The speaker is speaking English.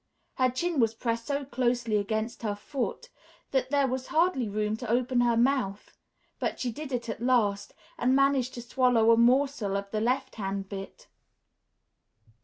Her chin was pressed so closely against her foot that there was hardly room to open her mouth; but she did it at last and managed to swallow a morsel of the left hand bit....